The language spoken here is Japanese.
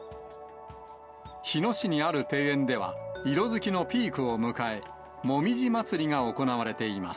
日野市にある庭園では、色づきのピークを迎え、紅葉まつりが行われています。